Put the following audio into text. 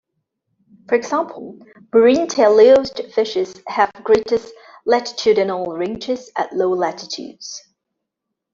For example, marine teleost fishes have the greatest latitudinal ranges at low latitudes.